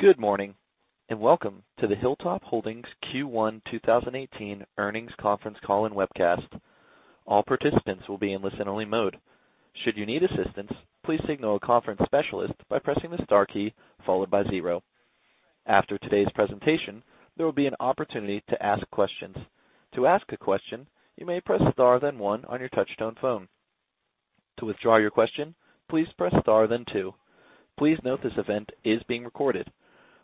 Good morning. Welcome to the Hilltop Holdings Q1 2018 earnings conference call and webcast. All participants will be in listen-only mode. Should you need assistance, please signal a conference specialist by pressing the star key followed by 0. After today's presentation, there will be an opportunity to ask questions. To ask a question, you may press star then 1 on your touch-tone phone. To withdraw your question, please press star then 2. Please note this event is being recorded.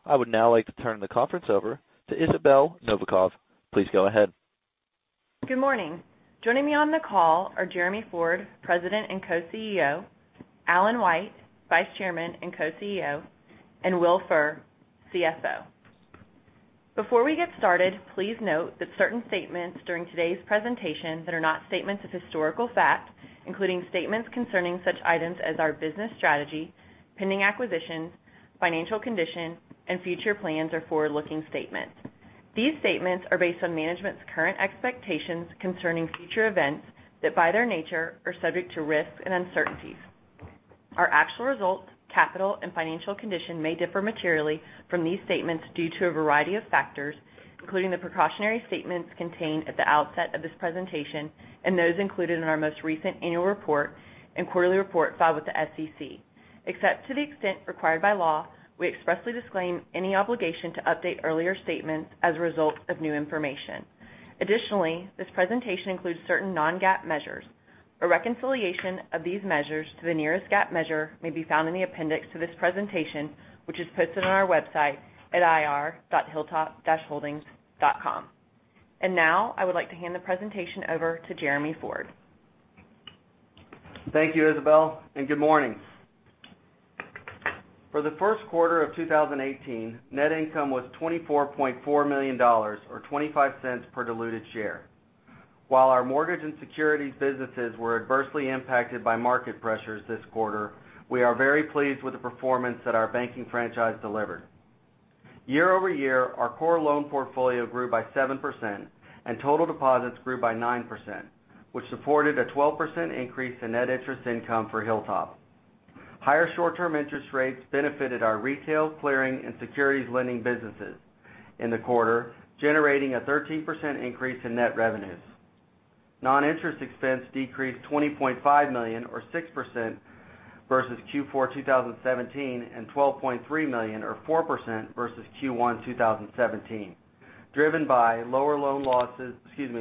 I would now like to turn the conference over to Isabell Novakov. Please go ahead. Good morning. Joining me on the call are Jeremy Ford, President and Co-CEO, Alan White, Vice Chairman and Co-CEO, and Will Furr, CFO. Before we get started, please note that certain statements during today's presentation that are not statements of historical fact, including statements concerning such items as our business strategy, pending acquisitions, financial condition, and future plans are forward-looking statements. These statements are based on management's current expectations concerning future events that, by their nature, are subject to risks and uncertainties. Our actual results, capital, and financial condition may differ materially from these statements due to a variety of factors, including the precautionary statements contained at the outset of this presentation and those included in our most recent annual report and quarterly report filed with the SEC. Except to the extent required by law, we expressly disclaim any obligation to update earlier statements as a result of new information. Additionally, this presentation includes certain non-GAAP measures. A reconciliation of these measures to the nearest GAAP measure may be found in the appendix to this presentation, which is posted on our website at ir.hilltop-holdings.com. Now, I would like to hand the presentation over to Jeremy Ford. Thank you, Isabell, and good morning. For the first quarter of 2018, net income was $24.4 million, or $0.25 per diluted share. While our mortgage and securities businesses were adversely impacted by market pressures this quarter, we are very pleased with the performance that our banking franchise delivered. Year-over-year, our core loan portfolio grew by 7%, and total deposits grew by 9%, which supported a 12% increase in net interest income for Hilltop. Higher short-term interest rates benefited our retail, clearing, and securities lending businesses in the quarter, generating a 13% increase in net revenues. Non-interest expense decreased $20.5 million, or 6%, versus Q4 2017, and $12.3 million, or 4%, versus Q1 2017, driven by lower losses in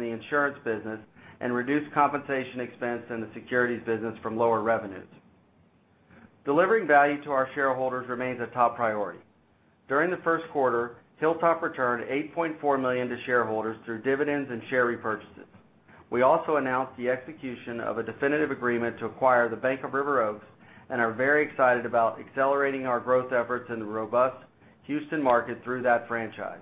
the insurance business and reduced compensation expense in the securities business from lower revenues. Delivering value to our shareholders remains a top priority. During the first quarter, Hilltop returned $8.4 million to shareholders through dividends and share repurchases. We also announced the execution of a definitive agreement to acquire The Bank of River Oaks and are very excited about accelerating our growth efforts in the robust Houston market through that franchise.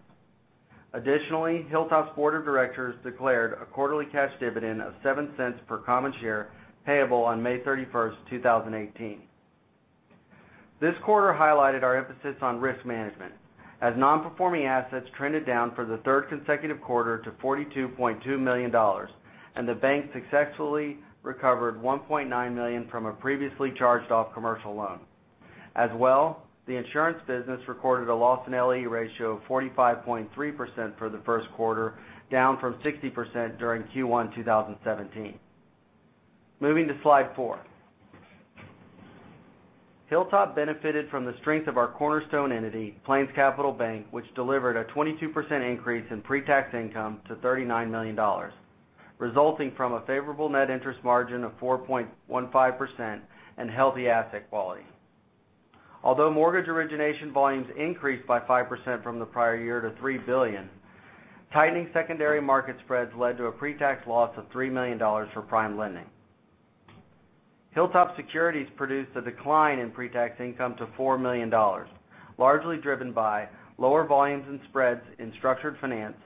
Additionally, Hilltop's board of directors declared a quarterly cash dividend of $0.07 per common share payable on May 31st, 2018. This quarter highlighted our emphasis on risk management as Non-Performing Assets trended down for the third consecutive quarter to $42.2 million and the bank successfully recovered $1.9 million from a previously charged-off commercial loan. As well, the insurance business recorded a loss in L&E ratio of 45.3% for the first quarter, down from 60% during Q1 2017. Moving to slide four. Hilltop benefited from the strength of our cornerstone entity, PlainsCapital Bank, which delivered a 22% increase in pre-tax income to $39 million, resulting from a favorable net interest margin of 4.15% and healthy asset quality. Although mortgage origination volumes increased by 5% from the prior year to $3 billion, tightening secondary market spreads led to a pre-tax loss of $3 million for PrimeLending. Hilltop Securities produced a decline in pre-tax income to $4 million, largely driven by lower volumes and spreads in structured finance,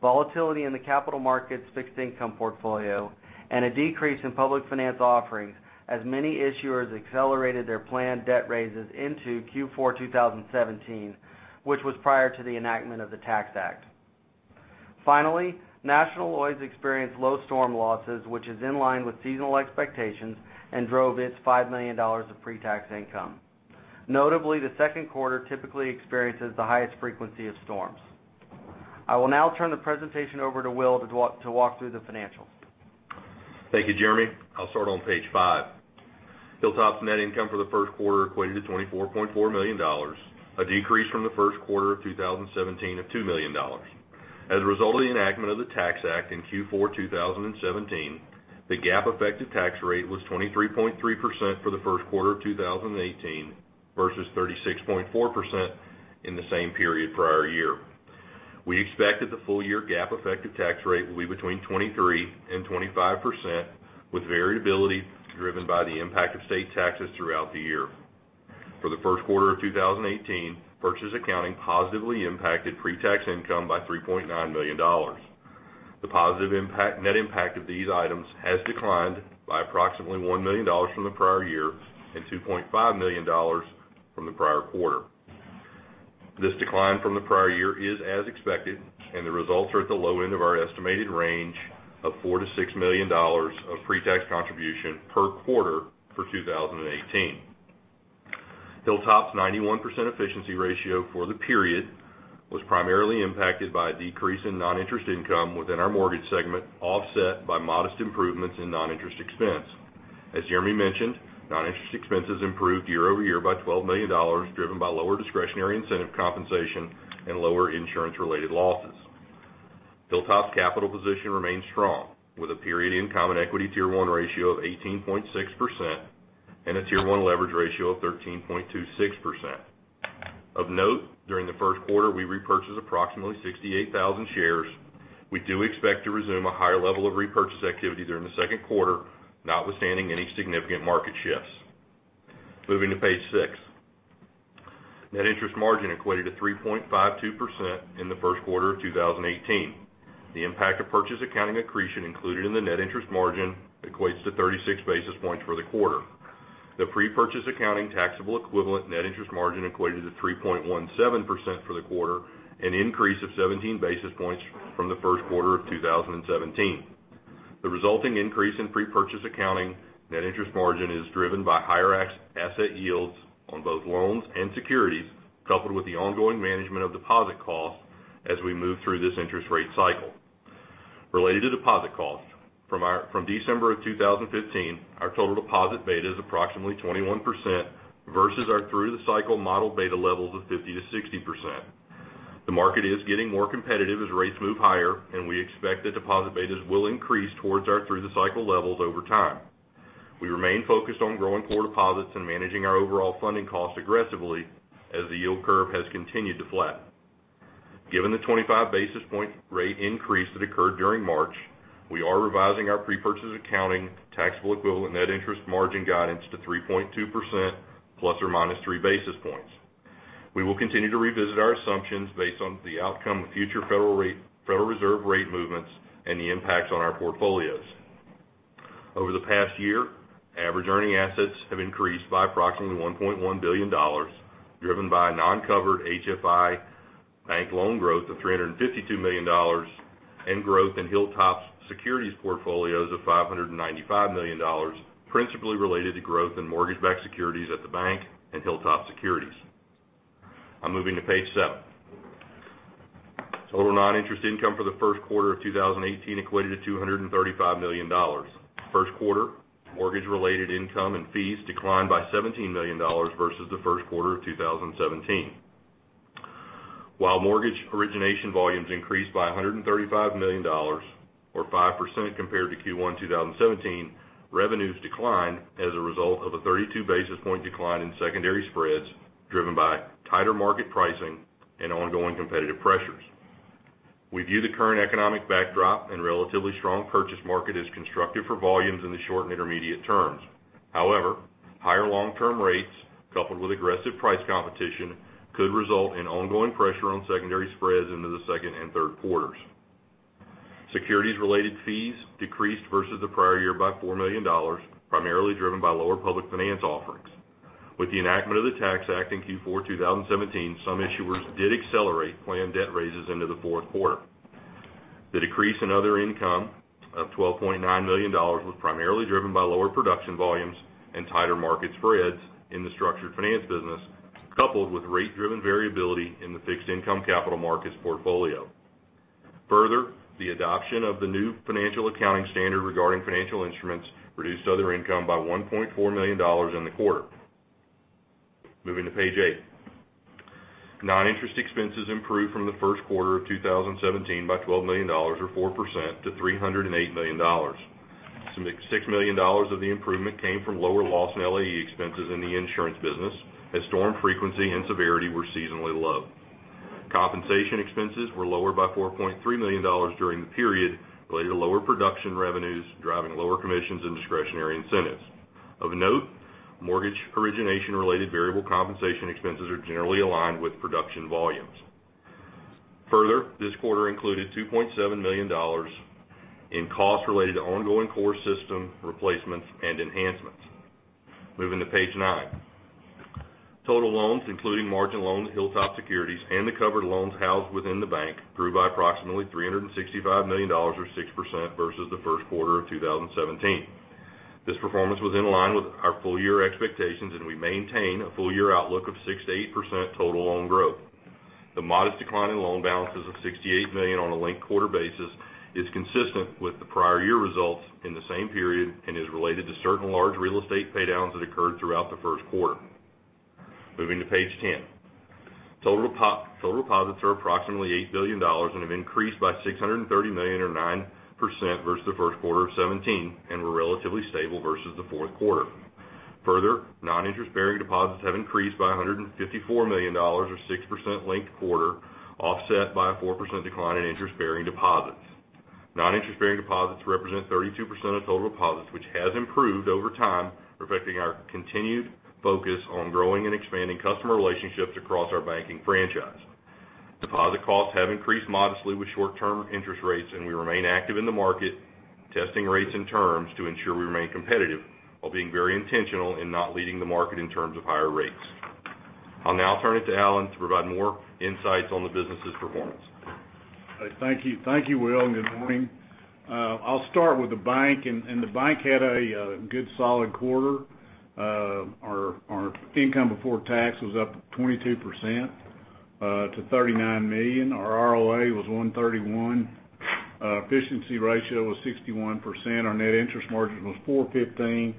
volatility in the capital markets fixed income portfolio, and a decrease in public finance offerings as many issuers accelerated their planned debt raises into Q4 2017, which was prior to the enactment of the Tax Act. Finally, National Lloyds experienced low storm losses, which is in line with seasonal expectations and drove its $5 million of pre-tax income. Notably, the second quarter typically experiences the highest frequency of storms. I will now turn the presentation over to Will to walk through the financials. Thank you, Jeremy. I'll start on page five. Hilltop's net income for the first quarter equated to $24.4 million, a decrease from the first quarter of 2017 of $2 million. As a result of the enactment of the Tax Act in Q4 2017, the GAAP effective tax rate was 23.3% for the first quarter of 2018 versus 36.4% in the same period prior year. We expect that the full-year GAAP effective tax rate will be between 23% and 25%, with variability driven by the impact of state taxes throughout the year. For the first quarter of 2018, purchase accounting positively impacted pre-tax income by $3.9 million. The positive net impact of these items has declined by approximately $1 million from the prior year and $2.5 million from the prior quarter. This decline from the prior year is as expected, and the results are at the low end of our estimated range of $4 million-$6 million of pre-tax contribution per quarter for 2018. Hilltop's 91% efficiency ratio for the period was primarily impacted by a decrease in non-interest income within our mortgage segment, offset by modest improvements in non-interest expense. As Jeremy mentioned, non-interest expenses improved year-over-year by $12 million, driven by lower discretionary incentive compensation and lower insurance-related losses. Hilltop's capital position remains strong, with a period and common equity Tier 1 ratio of 18.6% and a Tier 1 leverage ratio of 13.26%. Of note, during the first quarter, we repurchased approximately 68,000 shares. We do expect to resume a higher level of repurchase activity during the second quarter, notwithstanding any significant market shifts. Moving to page six. Net interest margin equated to 3.52% in the first quarter of 2018. The impact of purchase accounting accretion included in the net interest margin equates to 36 basis points for the quarter. The pre-purchase accounting taxable-equivalent net interest margin equated to 3.17% for the quarter, an increase of 17 basis points from the first quarter of 2017. The resulting increase in pre-purchase accounting net interest margin is driven by higher asset yields on both loans and securities, coupled with the ongoing management of deposit costs as we move through this interest rate cycle. Related to deposit costs, from December of 2015, our total deposit beta is approximately 21%, versus our through-the-cycle model beta levels of 50%-60%. The market is getting more competitive as rates move higher, and we expect the deposit betas will increase towards our through-the-cycle levels over time. We remain focused on growing core deposits and managing our overall funding costs aggressively as the yield curve has continued to flatten. Given the 25 basis point rate increase that occurred during March, we are revising our pre-purchase accounting taxable-equivalent net interest margin guidance to 3.2%, ±3 basis points. We will continue to revisit our assumptions based on the outcome of future Federal Reserve rate movements and the impacts on our portfolios. Over the past year, average earning assets have increased by approximately $1.1 billion, driven by non-covered HFI bank loan growth of $352 million and growth in Hilltop's securities portfolios of $595 million, principally related to growth in mortgage-backed securities at the bank and Hilltop Securities. I'm moving to page seven. First quarter mortgage-related income and fees declined by $17 million versus the first quarter of 2017. While mortgage origination volumes increased by $135 million, or 5% compared to Q1 2017, revenues declined as a result of a 32 basis point decline in secondary spreads, driven by tighter market pricing and ongoing competitive pressures. We view the current economic backdrop and relatively strong purchase market as constructive for volumes in the short and intermediate terms. However, higher long-term rates coupled with aggressive price competition could result in ongoing pressure on secondary spreads into the second and third quarters. Securities-related fees decreased versus the prior year by $4 million, primarily driven by lower public finance offerings. With the enactment of the Tax Act in Q4 2017, some issuers did accelerate planned debt raises into the fourth quarter. The decrease in other income of $12.9 million was primarily driven by lower production volumes and tighter market spreads in the structured finance business, coupled with rate-driven variability in the fixed income capital markets portfolio. Further, the adoption of the new financial accounting standard regarding financial instruments reduced other income by $1.4 million in the quarter. Moving to page eight. Non-interest expenses improved from the first quarter of 2017 by $12 million, or 4%, to $308 million. $6 million of the improvement came from lower loss and L&E expenses in the insurance business, as storm frequency and severity were seasonally low. Compensation expenses were lower by $4.3 million during the period related to lower production revenues, driving lower commissions and discretionary incentives. Of note, mortgage origination-related variable compensation expenses are generally aligned with production volumes. Further, this quarter included $2.7 million in costs related to ongoing core system replacements and enhancements. Moving to page nine. Total loans, including margin loans, Hilltop Securities, and the covered loans housed within the bank, grew by approximately $365 million, or 6%, versus the first quarter of 2017. This performance was in line with our full year expectations, and we maintain a full-year outlook of 6%-8% total loan growth. The modest decline in loan balances of $68 million on a linked-quarter basis is consistent with the prior year results in the same period and is related to certain large real estate paydowns that occurred throughout the first quarter. Moving to page 10. Total deposits are approximately $8 billion and have increased by $630 million, or 9%, versus the first quarter of 2017, and were relatively stable versus the fourth quarter. Further, non-interest-bearing deposits have increased by $154 million, or 6%, linked quarter, offset by a 4% decline in interest-bearing deposits. Non-interest-bearing deposits represent 32% of total deposits, which has improved over time, reflecting our continued focus on growing and expanding customer relationships across our banking franchise. Deposit costs have increased modestly with short-term interest rates, and we remain active in the market, testing rates and terms to ensure we remain competitive while being very intentional in not leading the market in terms of higher rates. I'll now turn it to Alan to provide more insights on the business's performance. Thank you, Will, and good morning. The bank had a good, solid quarter. Our income before tax was up 22% to $39 million. Our ROA was 131. Efficiency ratio was 61%. Our net interest margin was 415,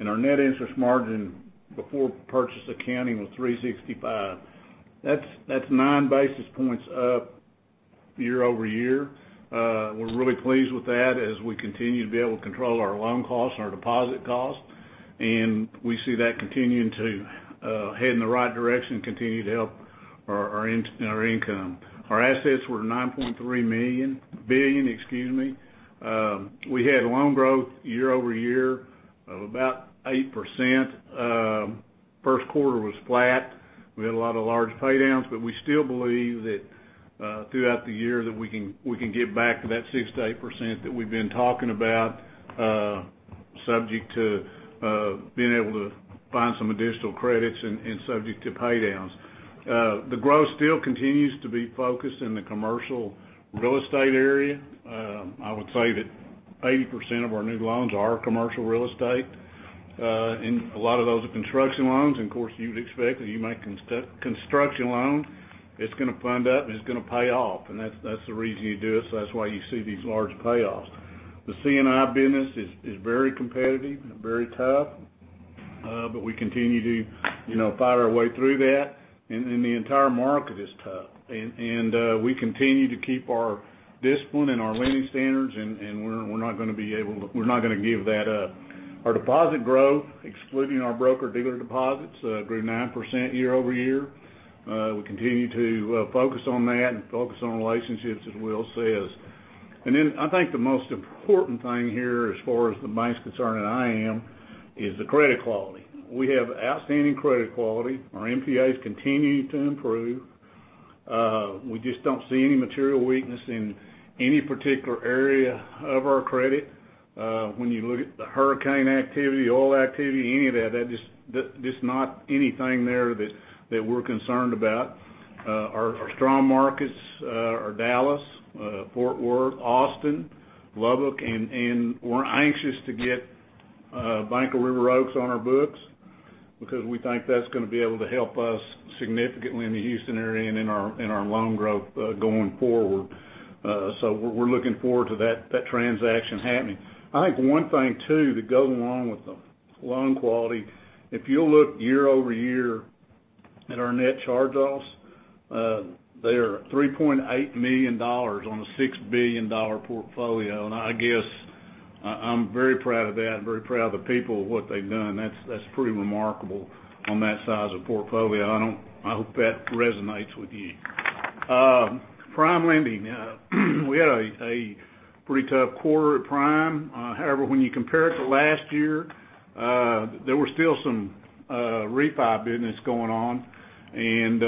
and our net interest margin before purchase accounting was 365. That's nine basis points up year-over-year. We're really pleased with that as we continue to be able to control our loan costs and our deposit costs, and we see that continuing to head in the right direction, continue to help our income. Our assets were $9.3 billion. We had loan growth year-over-year of about 8%. First quarter was flat. We had a lot of large paydowns, but we still believe that throughout the year that we can get back to that 6%-8% that we've been talking about, subject to being able to find some additional credits and subject to paydowns. The growth still continues to be focused in the commercial real estate area. I would say that 80% of our new loans are commercial real estate. A lot of those are construction loans. Of course, you would expect that you make construction loans, it's going to fund up and it's going to pay off. That's the reason you do it. That's why you see these large payoffs. The C&I business is very competitive and very tough. We continue to fight our way through that, and the entire market is tough. We continue to keep our discipline and our lending standards, and we're not going to give that up. Our deposit growth, excluding our broker dealer deposits, grew 9% year-over-year. We continue to focus on that and focus on relationships, as Will says. I think the most important thing here, as far as the bank's concerned and I am, is the credit quality. We have outstanding credit quality. Our NPAs continue to improve. We just don't see any material weakness in any particular area of our credit. When you look at the hurricane activity, oil activity, any of that, just not anything there that we're concerned about. Our strong markets are Dallas, Fort Worth, Austin, Lubbock, and we're anxious to get The Bank of River Oaks on our books because we think that's going to be able to help us significantly in the Houston area and in our loan growth going forward. We're looking forward to that transaction happening. I think one thing, too, that goes along with the loan quality, if you'll look year-over-year at our net charge-offs, they are $3.8 million on a $6 billion portfolio. I guess I'm very proud of that and very proud of the people, what they've done. That's pretty remarkable on that size of portfolio. I hope that resonates with you. PrimeLending. We had a pretty tough quarter at PrimeLending. When you compare it to last year, there was still some refi business going on, and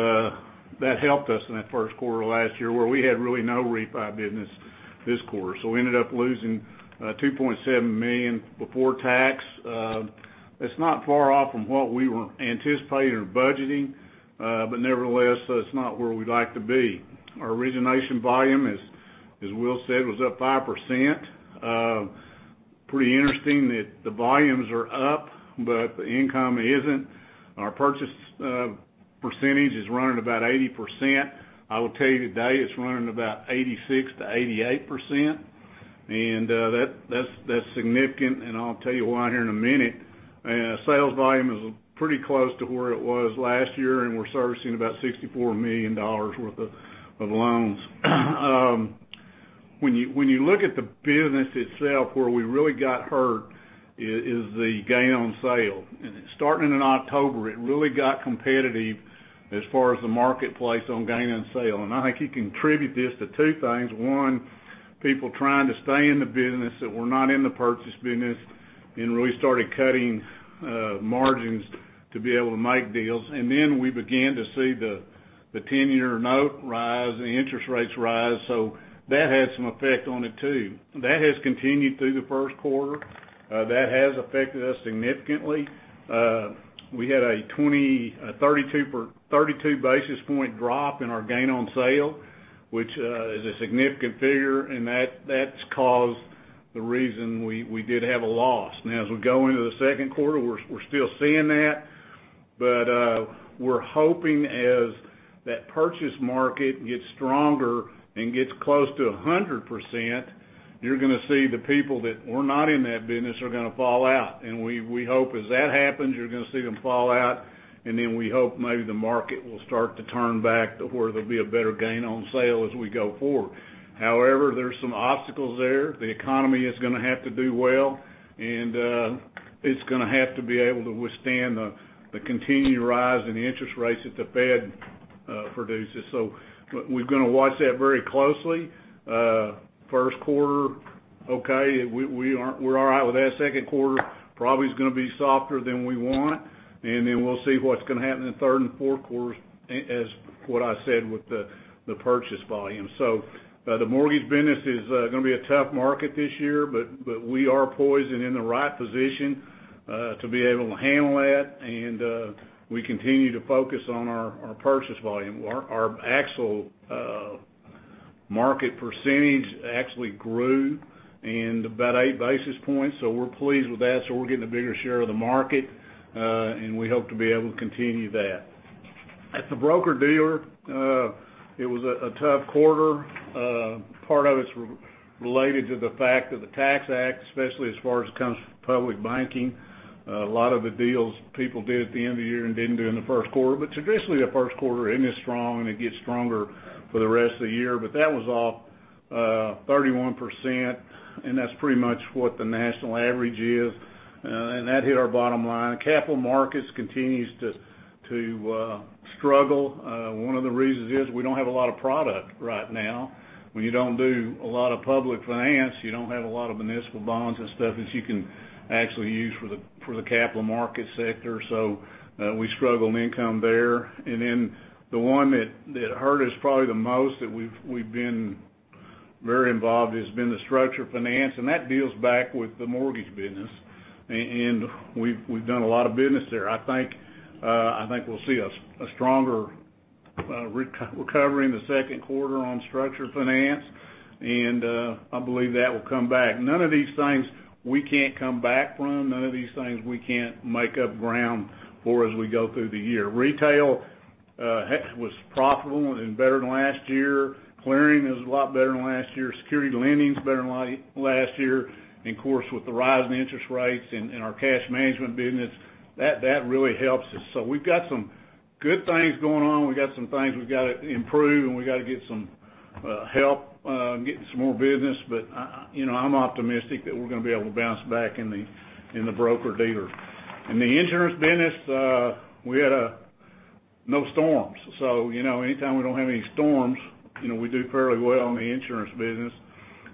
that helped us in that first quarter last year where we had really no refi business this quarter. We ended up losing $2.7 million before tax. It's not far off from what we were anticipating or budgeting. Nevertheless, that's not where we'd like to be. Our origination volume, as Will said, was up 5%. Pretty interesting that the volumes are up, but the income isn't. Our purchase percentage is running about 80%. I will tell you today, it's running about 86%-88%, and that's significant, and I'll tell you why here in a minute. Sales volume is pretty close to where it was last year, and we're servicing about $64 million worth of loans. When you look at the business itself, where we really got hurt is the gain on sale. Starting in October, it really got competitive as far as the marketplace on gain on sale. I think you contribute this to two things. One, people trying to stay in the business that were not in the purchase business and really started cutting margins to be able to make deals. Then we began to see the 10-year note rise and the interest rates rise. That had some effect on it, too. That has continued through the first quarter. That has affected us significantly. We had a 32 basis point drop in our gain on sale, which is a significant figure, and that's caused the reason we did have a loss. Now, as we go into the second quarter, we're still seeing that. We're hoping as that purchase market gets stronger and gets close to 100%, you're going to see the people that were not in that business are going to fall out. We hope as that happens, you're going to see them fall out, and then we hope maybe the market will start to turn back to where there'll be a better gain on sale as we go forward. However, there's some obstacles there. The economy is going to have to do well, and it's going to have to be able to withstand the continued rise in the interest rates that the Fed produces. We're going to watch that very closely. First quarter Okay. We're all right with that second quarter, probably is going to be softer than we want. Then we'll see what's going to happen in third and fourth quarters, as what I said with the purchase volume. The mortgage business is going to be a tough market this year, but we are poised and in the right position to be able to handle that, and we continue to focus on our purchase volume. Our actual market percentage actually grew about eight basis points, so we're pleased with that. We're getting a bigger share of the market, and we hope to be able to continue that. At the broker-dealer, it was a tough quarter. Part of it's related to the fact of the Tax Act, especially as far as it comes to public banking. A lot of the deals people did at the end of the year and didn't do in the first quarter. Traditionally, the first quarter isn't as strong, and it gets stronger for the rest of the year. That was off 31%, and that's pretty much what the national average is. That hit our bottom line. Capital markets continues to struggle. One of the reasons is we don't have a lot of product right now. When you don't do a lot of public finance, you don't have a lot of municipal bonds and stuff that you can actually use for the capital market sector. We struggle in income there. Then the one that hurt us probably the most, that we've been very involved, has been the structured finance, and that deals back with the mortgage business. We've done a lot of business there. I think we'll see a stronger recovery in the second quarter on structured finance, and I believe that will come back. None of these things we can't come back from, none of these things we can't make up ground for as we go through the year. Retail was profitable and better than last year. Clearing is a lot better than last year. Security lending is better than last year. Of course, with the rise in interest rates and our cash management business, that really helps us. We've got some good things going on. We got some things we've got to improve, and we got to get some help getting some more business, but I'm optimistic that we're going to be able to bounce back in the broker-dealer. In the insurance business, we had no storms. Anytime we don't have any storms, we do fairly well in the insurance business.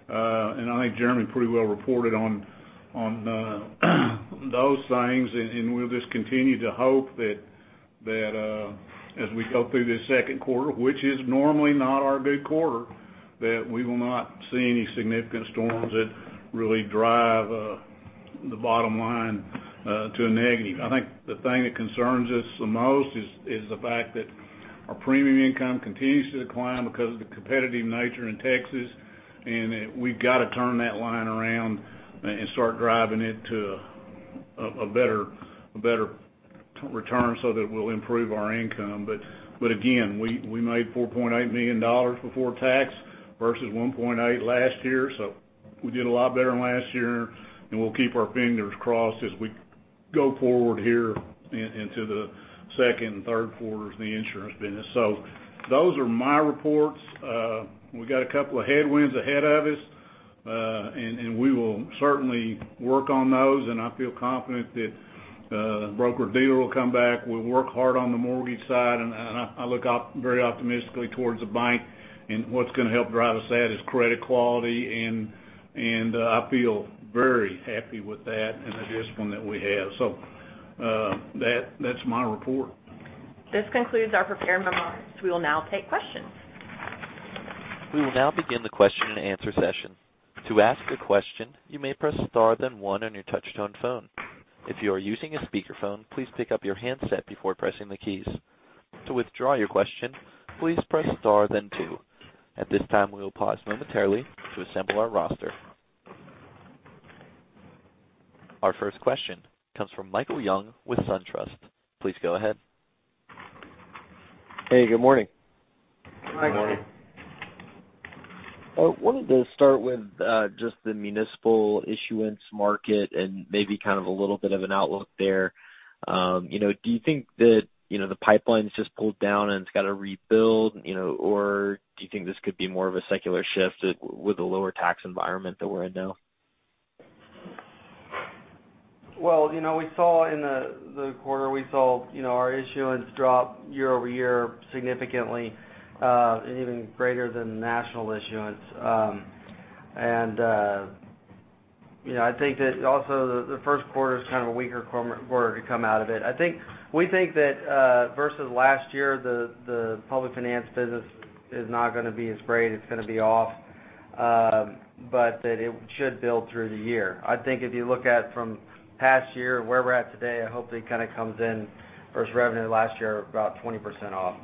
I think Jeremy pretty well reported on those things, and we'll just continue to hope that as we go through this second quarter, which is normally not our good quarter, that we will not see any significant storms that really drive the bottom line to a negative. I think the thing that concerns us the most is the fact that our premium income continues to decline because of the competitive nature in Texas, and that we've got to turn that line around and start driving it to a better return so that we'll improve our income. Again, we made $4.8 million before tax versus $1.8 last year, we did a lot better than last year, and we'll keep our fingers crossed as we go forward here into the second and third quarters in the insurance business. Those are my reports. We got a couple of headwinds ahead of us, and we will certainly work on those, and I feel confident that broker-dealer will come back. We'll work hard on the mortgage side, and I look very optimistically towards the bank, and what's going to help drive us that is credit quality and I feel very happy with that and the discipline that we have. That's my report. This concludes our prepared remarks. We will now take questions. We will now begin the question and answer session. To ask a question, you may press star then one on your touch-tone phone. If you are using a speakerphone, please pick up your handset before pressing the keys. To withdraw your question, please press star then two. At this time, we will pause momentarily to assemble our roster. Our first question comes from Michael Young with SunTrust. Please go ahead. Hey, good morning. Good morning. Morning. I wanted to start with just the municipal issuance market and maybe kind of a little bit of an outlook there. Do you think that the pipeline's just pulled down and it's got to rebuild, or do you think this could be more of a secular shift with the lower tax environment that we're in now? Well, in the quarter, we saw our issuance drop year-over-year significantly, even greater than national issuance. I think that also the first quarter is kind of a weaker quarter to come out of it. We think that, versus last year, the public finance business is not going to be as great, it's going to be off. That it should build through the year. I think if you look at from past year, where we're at today, I hope that it kind of comes in versus revenue last year, about 20% off.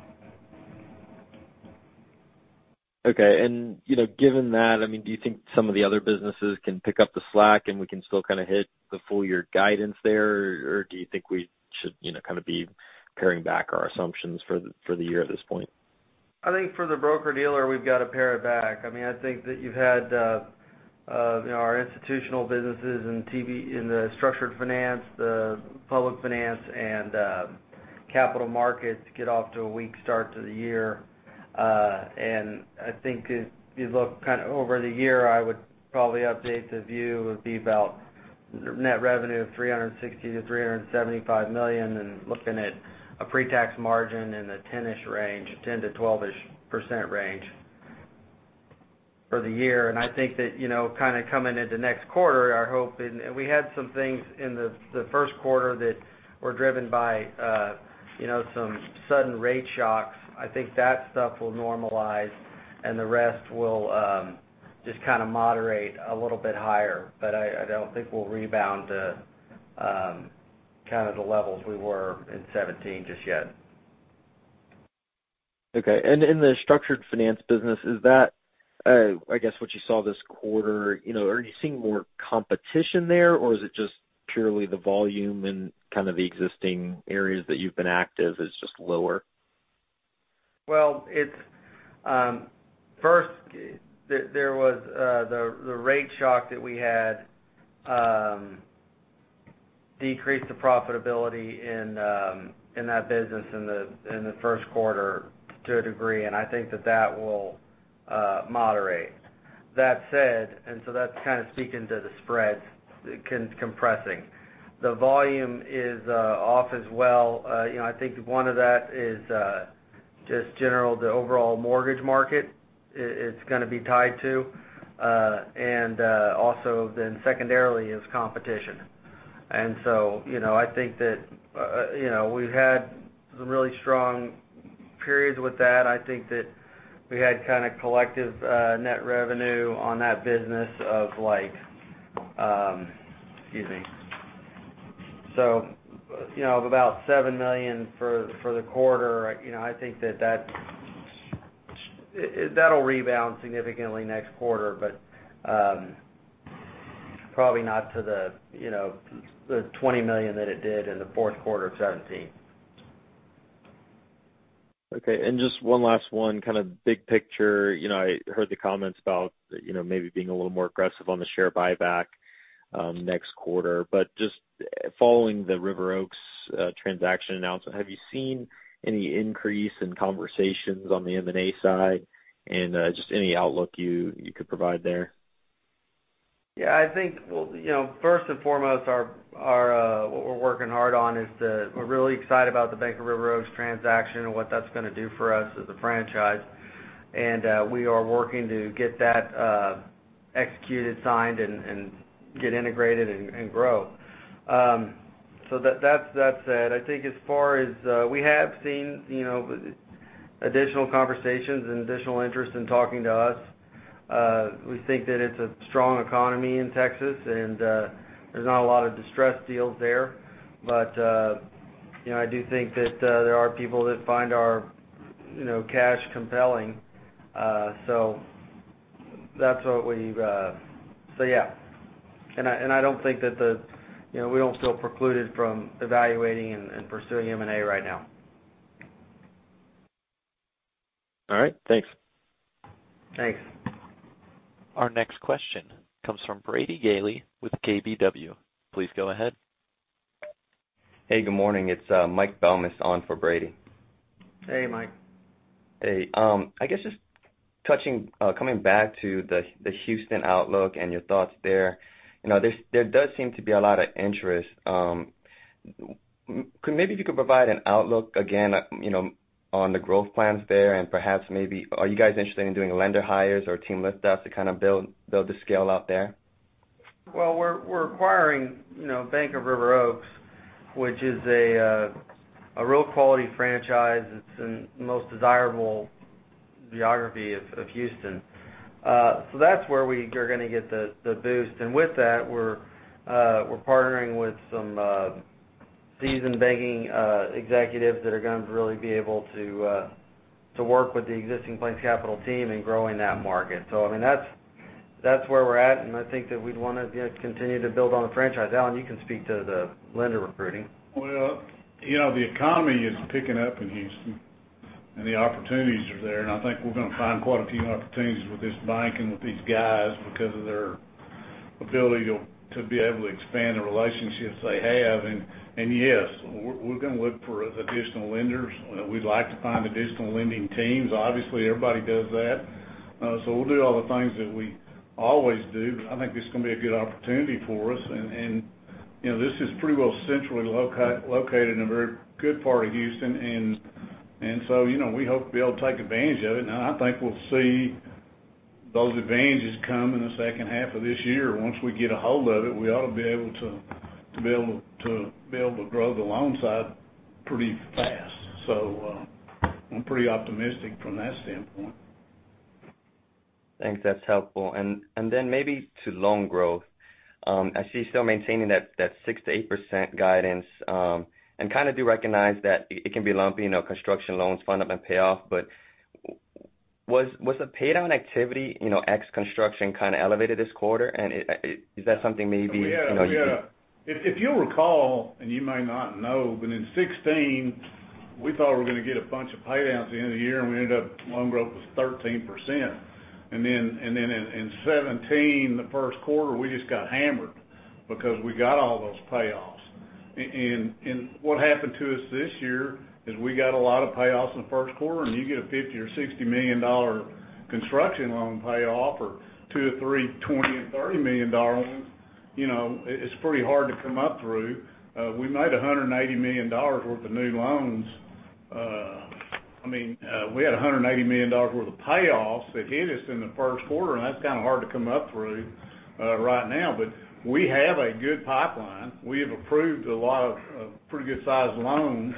Okay. Given that, do you think some of the other businesses can pick up the slack and we can still kind of hit the full-year guidance there? Or do you think we should be paring back our assumptions for the year at this point? I think for the broker-dealer, we've got to pare it back. I think that you've had our institutional businesses in the structured finance, the public finance, and capital markets get off to a weak start to the year. I think if you look kind of over the year, I would probably update the view would be about Net revenue of $360 million-$375 million and looking at a pre-tax margin in the ten-ish range, 10 to 12-ish % range for the year. I think that, kind of coming into next quarter, our hope. We had some things in the first quarter that were driven by some sudden rate shocks. I think that stuff will normalize and the rest will just kind of moderate a little bit higher. I don't think we'll rebound to kind of the levels we were in 2017 just yet. Okay. In the structured finance business, is that, I guess what you saw this quarter, are you seeing more competition there, or is it just purely the volume in kind of the existing areas that you've been active is just lower? Well, first, there was the rate shock that we had decrease the profitability in that business in the first quarter to a degree, and I think that that will moderate. That said, that's kind of speaking to the spreads compressing. The volume is off as well. I think one of that is just general, the overall mortgage market it's going to be tied to. Secondarily is competition. I think that, we've had some really strong periods with that. I think that we had kind of collective net revenue on that business of, Excuse me. Of about $7 million for the quarter. I think that that'll rebound significantly next quarter, but probably not to the $20 million that it did in the fourth quarter of 2017. Okay, just one last one, kind of big picture. I heard the comments about maybe being a little more aggressive on the share buyback next quarter. Just following the River Oaks transaction announcement, have you seen any increase in conversations on the M&A side and just any outlook you could provide there? Yeah, I think, first and foremost, what we're working hard on We're really excited about the Bank of River Oaks transaction and what that's going to do for us as a franchise. We are working to get that executed, signed, and get integrated, and grow. That said, We have seen additional conversations and additional interest in talking to us. We think that it's a strong economy in Texas, and there's not a lot of distressed deals there. I do think that there are people that find our cash compelling. So yeah. I don't think that We don't feel precluded from evaluating and pursuing M&A right now. All right, thanks. Thanks. Our next question comes from Brady Gailey with KBW. Please go ahead. Hey, good morning. It's Mike Belmes on for Brady. Hey, Mike. Hey. I guess just coming back to the Houston outlook and your thoughts there. There does seem to be a lot of interest. Maybe if you could provide an outlook again, on the growth plans there and perhaps maybe, are you guys interested in doing lender hires or team lift-outs to kind of build the scale out there? Well, we're acquiring Bank of River Oaks, which is a real quality franchise. It's in the most desirable geography of Houston. That's where we are going to get the boost. With that, we're partnering with some seasoned banking executives that are going to really be able to work with the existing PlainsCapital team in growing that market. I mean, that's where we're at, and I think that we'd want to continue to build on the franchise. Alan, you can speak to the lender recruiting. Well, the economy is picking up in Houston, and the opportunities are there, and I think we're going to find quite a few opportunities with this bank and with these guys because of their ability to be able to expand the relationships they have. Yes, we're going to look for additional lenders. We'd like to find additional lending teams. Obviously, everybody does that. We'll do all the things that we always do, but I think this is going to be a good opportunity for us. This is pretty well centrally located in a very good part of Houston. We hope to be able to take advantage of it. Now, I think we'll see those advantages come in the second half of this year. Once we get ahold of it, we ought to be able to build or grow the loan side pretty fast. I'm pretty optimistic from that standpoint. Thanks. That is helpful. Maybe to loan growth. I see you still maintaining that 6%-8% guidance, kind of do recognize that it can be lumpy, construction loans fund up and pay off. Was the pay down activity, ex construction, kind of elevated this quarter? Is that something maybe? If you will recall, you may not know, in 2016, we thought we were going to get a bunch of pay downs the end of the year, we ended up loan growth was 13%. In 2017, the first quarter, we just got hammered because we got all those payoffs. What happened to us this year is we got a lot of payoffs in the first quarter, you get a $50 or $60 million construction loan payoff, or 2-3, $20 million and $30 million loans, it is pretty hard to come up through. We made $180 million worth of new loans. We had $180 million worth of payoffs that hit us in the first quarter, that is kind of hard to come up through right now. We have a good pipeline. We have approved a lot of pretty good-sized loans.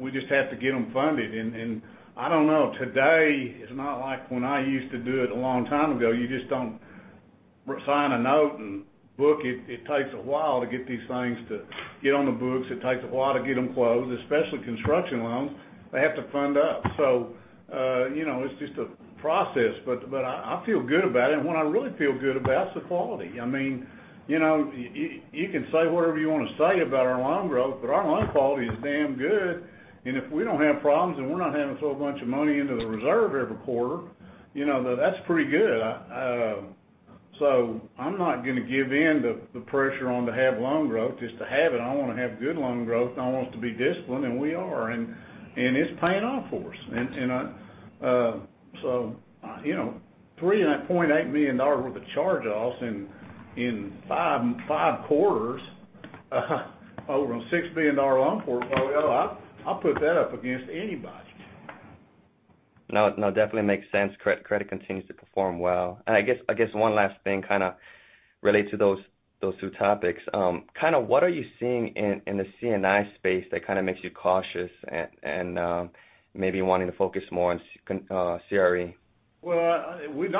We just have to get them funded. I don't know, today is not like when I used to do it a long time ago. You just don't sign a note and book it. It takes a while to get these things to get on the books. It takes a while to get them closed, especially construction loans. They have to fund up. It is just a process. I feel good about it. What I really feel good about is the quality. You can say whatever you want to say about our loan growth, but our loan quality is damn good. If we don't have problems, and we are not having to throw a bunch of money into the reserve every quarter, that is pretty good. I am not going to give in to the pressure on to have loan growth just to have it. I want to have good loan growth, and I want us to be disciplined, and we are, and it is paying off for us. $3.8 million worth of charge-offs in five quarters over on a $6 billion loan portfolio, I will put that up against anybody. No, definitely makes sense. Credit continues to perform well. I guess one last thing kind of related to those two topics. What are you seeing in the C&I space that kind of makes you cautious and maybe wanting to focus more on CRE? Well, we'd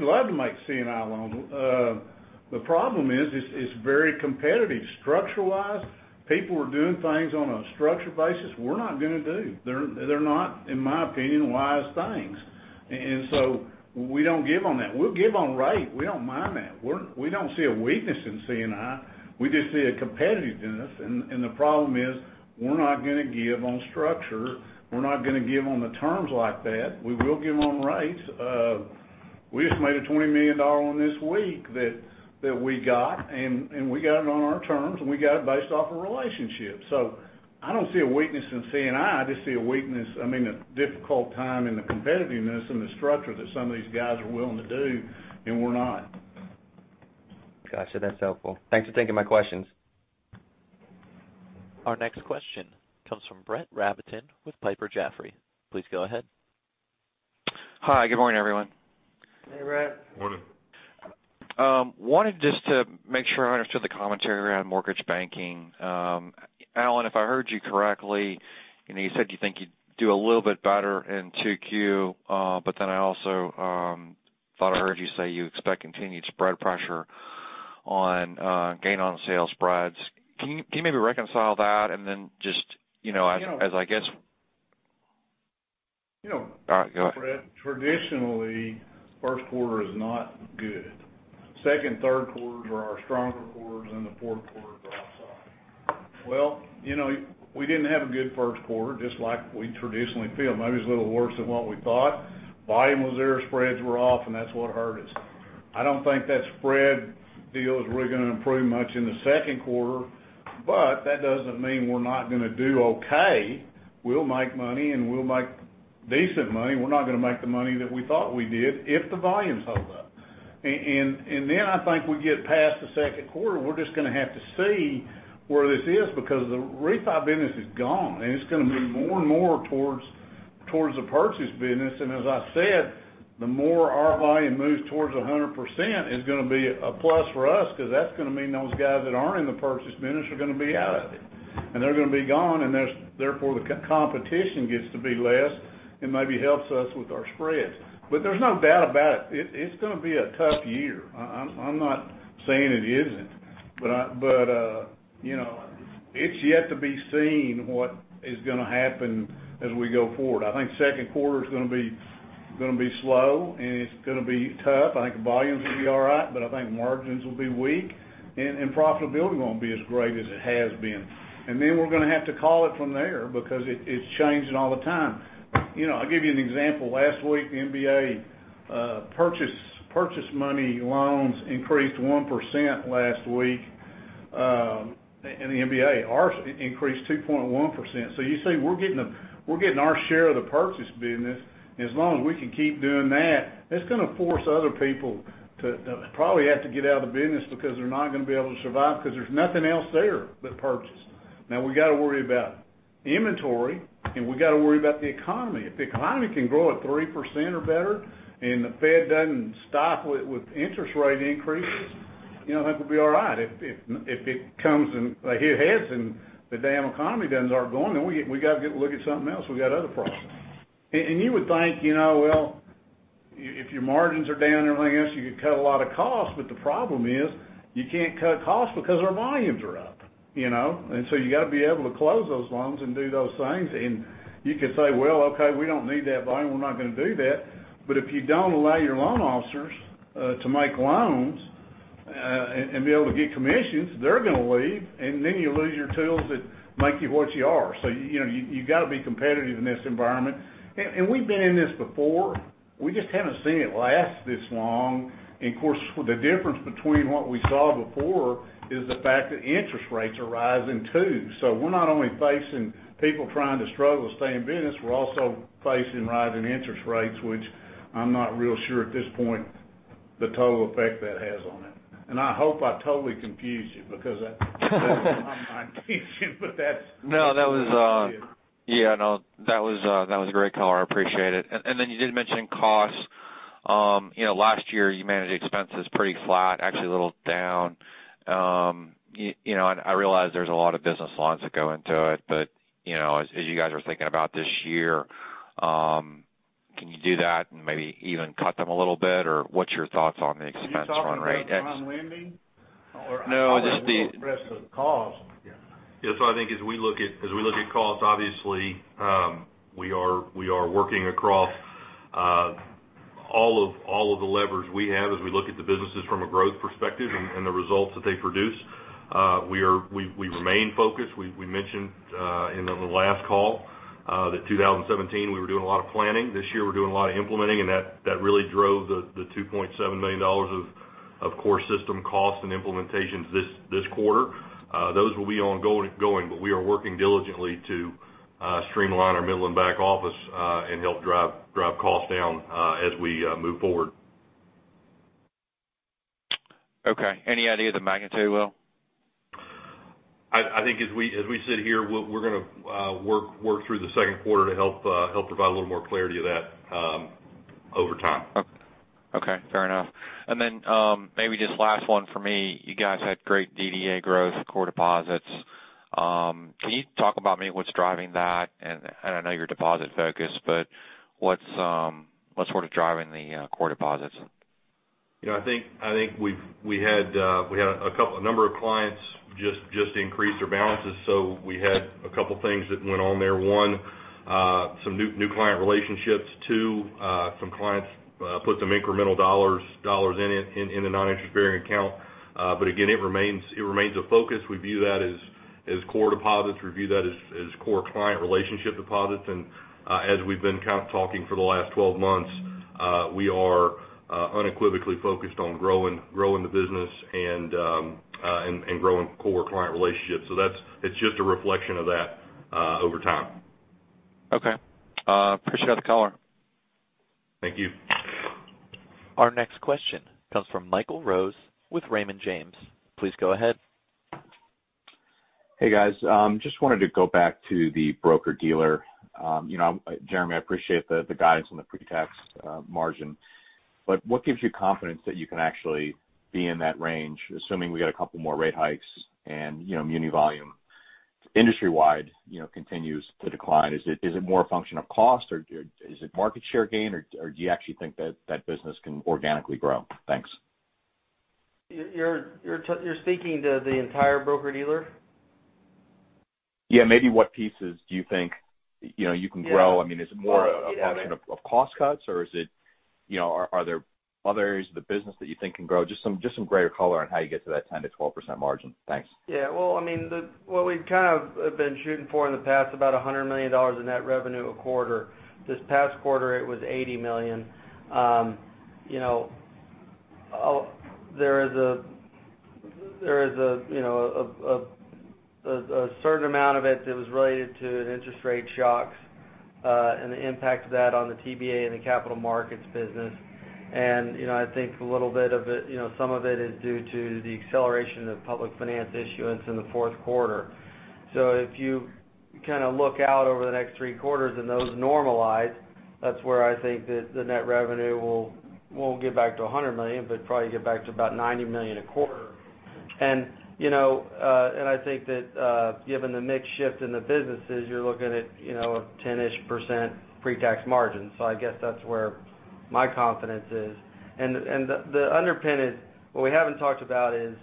love to make C&I loans. The problem is, it's very competitive. Structure-wise, people were doing things on a structure basis we're not going to do. They're not, in my opinion, wise things. We don't give on that. We'll give on rate. We don't mind that. We don't see a weakness in C&I. We just see a competitiveness, and the problem is, we're not going to give on structure. We're not going to give on the terms like that. We will give on rates. We just made a $20 million on this week that we got, and we got it on our terms, and we got it based off a relationship. I don't see a weakness in C&I. I just see a difficult time in the competitiveness and the structure that some of these guys are willing to do, and we're not. Got you. That's helpful. Thanks for taking my questions. Our next question comes from Brett Rabatin with Piper Jaffray. Please go ahead. Hi. Good morning, everyone. Hey, Brett. Morning. Wanted just to make sure I understood the commentary around mortgage banking. Alan, if I heard you correctly, you said you think you'd do a little bit better in 2Q, but then I also thought I heard you say you expect continued spread pressure on gain-on-sale spreads. Can you maybe reconcile that? You know. All right, go ahead. Brett, traditionally, first quarter is not good. Second, third quarters are our stronger quarters, the fourth quarter is our off quarter. We didn't have a good first quarter, just like we traditionally feel. Maybe it's a little worse than what we thought. Volume was there, spreads were off, that's what hurt us. I don't think that spread deal is really going to improve much in the second quarter, that doesn't mean we're not going to do okay. We'll make money, we'll make decent money. We're not going to make the money that we thought we did if the volumes hold up. Then I think we get past the second quarter, we're just going to have to see where this is because the refi business is gone, it's going to move more and more towards the purchase business. As I said, the more our volume moves towards 100%, it's going to be a plus for us because that's going to mean those guys that aren't in the purchase business are going to be out of it. They're going to be gone, therefore, the competition gets to be less and maybe helps us with our spreads. There's no doubt about it's going to be a tough year. I'm not saying it isn't. It's yet to be seen what is going to happen as we go forward. I think second quarter is going to be slow, it's going to be tough. I think volumes will be all right, margins will be weak, profitability won't be as great as it has been. Then we're going to have to call it from there because it's changing all the time. I'll give you an example. Last week, the MBA purchase money loans increased 1% last week, in the MBA. Ours increased 2.1%. You see, we're getting our share of the purchase business. As long as we can keep doing that's going to force other people to probably have to get out of the business because they're not going to be able to survive because there's nothing else there but purchase. We got to worry about inventory, we got to worry about the economy. If the economy can grow at 3% or better the Fed doesn't stop with interest rate increases, that will be all right. If it comes and hit heads and the damn economy doesn't start going, we got to look at something else. We got other problems. You would think, well, if your margins are down and everything else, you could cut a lot of costs, the problem is you can't cut costs because our volumes are up. You got to be able to close those loans and do those things. You could say, "Well, okay, we don't need that volume. We're not going to do that." If you don't allow your loan officers to make loans and be able to get commissions, they're going to leave, and then you lose your tools that make you what you are. You got to be competitive in this environment. We've been in this before. We just haven't seen it last this long. Of course, the difference between what we saw before is the fact that interest rates are rising, too. We're not only facing people trying to struggle to stay in business, we're also facing rising interest rates, which I'm not real sure at this point the total effect that has on it. I hope I totally confused you because that wasn't my intention, but that's. No, that was a great color. I appreciate it. You did mention costs. Last year you managed expenses pretty flat, actually a little down. I realize there's a lot of business lines that go into it, as you guys are thinking about this year, can you do that and maybe even cut them a little bit? What's your thoughts on the expense run rate? Are you talking about PrimeLending? No. I thought you were more impressed with costs. Yes. I think as we look at costs, obviously, we are working across all of the levers we have as we look at the businesses from a growth perspective and the results that they produce. We remain focused. We mentioned in the last call, that 2017 we were doing a lot of planning. This year, we're doing a lot of implementing, and that really drove the $2.7 million of core system costs and implementations this quarter. Those will be ongoing, but we are working diligently to streamline our middle and back office, and help drive costs down as we move forward. Okay. Any idea of the magnitude, Will? I think as we sit here, we're going to work through the second quarter to help provide a little more clarity of that over time. Okay, fair enough. Then, maybe just last one from me, you guys had great DDA growth, core deposits. Can you talk about maybe what's driving that? I know you're deposit focused, but what's sort of driving the core deposits? I think we had a number of clients just increase their balances. We had a couple things that went on there. One, some new client relationships. Two, some clients put some incremental dollars in a non-interest-bearing account. Again, it remains a focus. We view that as core deposits. We view that as core client relationship deposits. As we've been kind of talking for the last 12 months, we are unequivocally focused on growing the business and growing core client relationships. It's just a reflection of that over time. Okay. Appreciate the color. Thank you. Our next question comes from Michael Rose with Raymond James. Please go ahead. Hey, guys. Just wanted to go back to the broker-dealer. Jeremy, I appreciate the guidance on the pre-tax margin. What gives you confidence that you can actually be in that range, assuming we get a couple more rate hikes and muni volume industry-wide continues to decline? Is it more a function of cost, or is it market share gain, or do you actually think that that business can organically grow? Thanks. You're speaking to the entire broker-dealer? What pieces do you think you can grow? I mean, is it more a function of cost cuts or are there other areas of the business that you think can grow? Just some greater color on how you get to that 10%-12% margin. Thanks. Well, what we've kind of been shooting for in the past, about $100 million in net revenue a quarter. This past quarter, it was $80 million. There is a certain amount of it that was related to interest rate shocks, and the impact of that on the TBA and the capital markets business. I think a little bit of it, some of it is due to the acceleration of public finance issuance in the fourth quarter. If you kind of look out over the next three quarters and those normalize, that's where I think that the net revenue won't get back to $100 million, but probably get back to about $90 million a quarter. I think that given the mix shift in the businesses, you're looking at a ten-ish% pre-tax margin. I guess that's where my confidence is. The underpin is, what we haven't talked about is,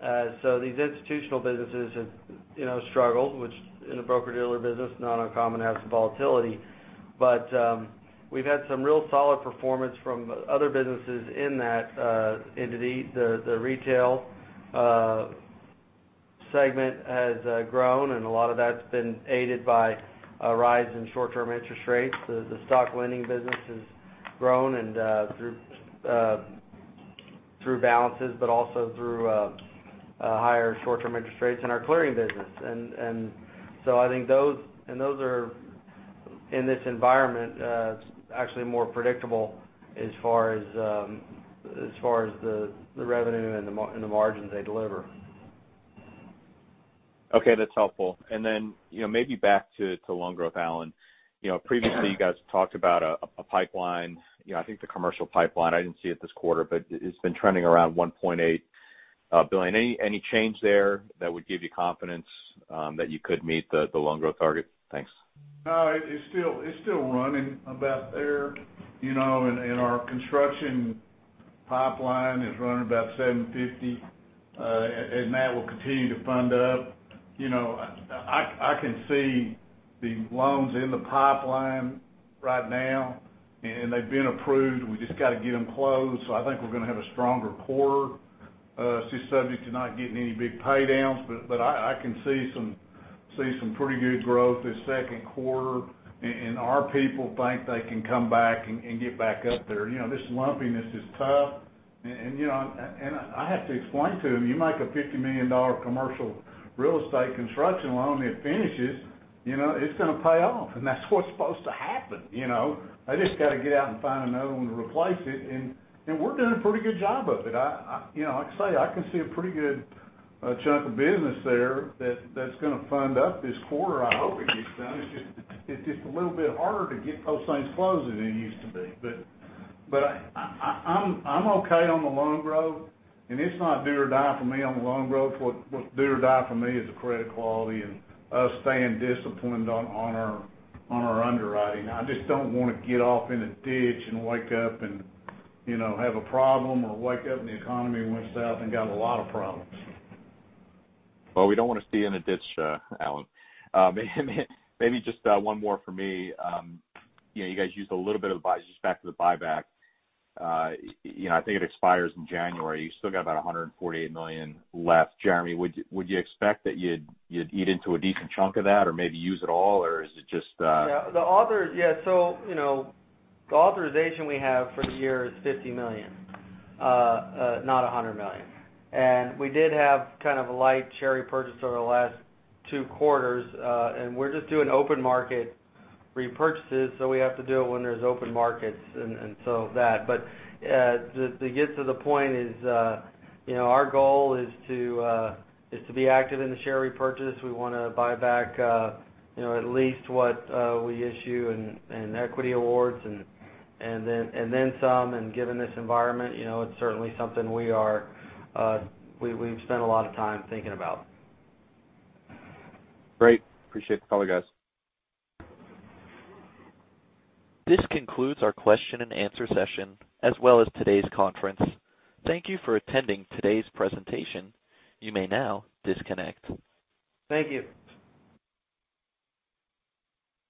these institutional businesses have struggled, which in a broker-dealer business, not uncommon to have some volatility. We've had some real solid performance from other businesses in that entity. The retail segment has grown, a lot of that's been aided by a rise in short-term interest rates. The stock lending business has grown through balances, also through higher short-term interest rates in our clearing business. Those are, in this environment, actually more predictable as far as the revenue and the margins they deliver. Okay, that's helpful. Maybe back to loan growth, Alan. Previously, you guys talked about a pipeline, I think the commercial pipeline. I didn't see it this quarter, but it's been trending around $1.8 billion. Any change there that would give you confidence that you could meet the loan growth target? Thanks. No, it's still running about there. Our construction pipeline is running about $750 million, and that will continue to fund up. I can see the loans in the pipeline right now. They've been approved. We just got to get them closed. I think we're going to have a stronger quarter, subject to not getting any big pay downs, but I can see some pretty good growth this second quarter. Our people think they can come back and get back up there. This lumpiness is tough. I have to explain to them, you make a $50 million commercial real estate construction loan, it finishes, it's going to pay off, and that's what's supposed to happen. They just got to get out and find another one to replace it, and we're doing a pretty good job of it. Like I say, I can see a pretty good chunk of business there that's going to fund up this quarter. I hope it gets done. It's just a little bit harder to get those things closed than it used to be. I'm okay on the loan growth, and it's not do or die for me on the loan growth. What's do or die for me is the credit quality and us staying disciplined on our underwriting. I just don't want to get off in a ditch and wake up and have a problem, or wake up and the economy went south and got a lot of problems. We don't want to see you in a ditch, Alan. Maybe just one more for me. You guys used a little bit of advice just back to the buyback. I think it expires in January. You still got about $148 million left. Jeremy, would you expect that you'd eat into a decent chunk of that or maybe use it all, or is it just? Yeah. The authorization we have for the year is $50 million, not $100 million. We did have kind of a light share repurchase over the last two quarters. We're just doing open market repurchases, so we have to do it when there's open markets. To get to the point is, our goal is to be active in the share repurchase. We want to buy back at least what we issue in equity awards, and then some. Given this environment, it's certainly something we've spent a lot of time thinking about. Great. Appreciate the color, guys. This concludes our question and answer session, as well as today's conference. Thank you for attending today's presentation. You may now disconnect. Thank you.